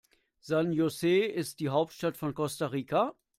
San José ist die Hauptstadt von Costa Rica.